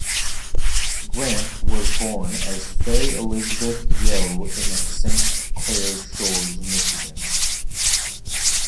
Grant was born as Faye Elizabeth Yoe in Saint Clair Shores, Michigan.